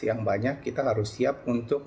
yang banyak kita harus siap untuk